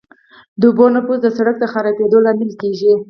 د اوبو نفوذ د سرک د خرابېدو لامل کیږي